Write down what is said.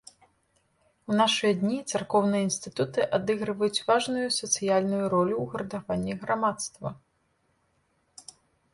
У нашы дні царкоўныя інстытуты адыгрываюць важную сацыяльную ролю ў гуртаванні грамадства.